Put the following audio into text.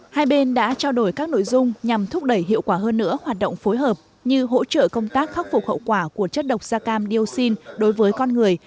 hai bên đã trao đổi các nội dung nhằm thúc đẩy hiệu quả hơn nữa hoạt động phối hợp như hỗ trợ công tác khắc phục hậu quả của chất độc da cam dioxin đối với con người